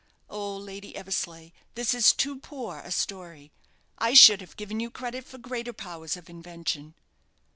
Oh, Lady Eversleigh, this is too poor a story. I should have given you credit for greater powers of invention."